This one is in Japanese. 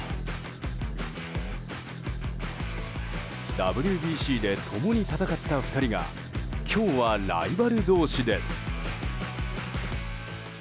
ＷＢＣで共に戦った２人が今日はライバル同士です。